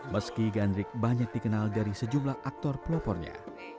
meski gandrik banyak dikenal dari sejumlah aktor pelopornya